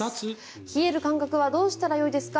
冷える感覚はどうしたらよいですか？